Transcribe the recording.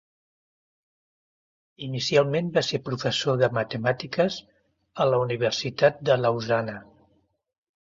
Inicialment va ser professor de matemàtiques a la Universitat de Lausana.